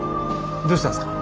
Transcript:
どうしたんですか？